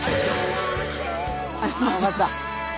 よかった。